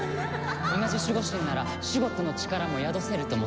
同じ守護神ならシュゴッドの力も宿せると思って。